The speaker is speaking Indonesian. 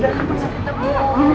udah kamu bisa ditemu